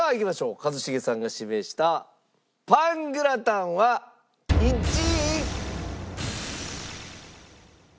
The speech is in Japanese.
一茂さんが指名したパングラタンは１位。